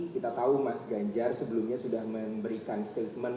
kita tahu mas ganjar sebelumnya sudah memberikan statement